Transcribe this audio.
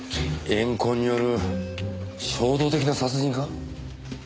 怨恨による衝動的な殺人か？